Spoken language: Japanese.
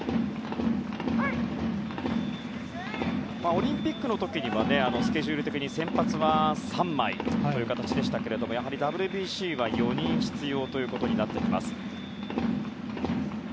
オリンピックの時にはスケジュール的に先発は３枚という形でしたがやはりＷＢＣは４人必要となってきます。